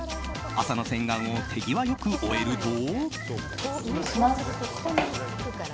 朝の洗顔を手際よく終えると。